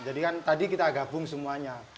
jadi kan tadi kita gabung semuanya